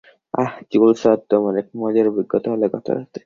আহ, Jules আর আমার এক মজার অভিজ্ঞতা হলো গত রাতে।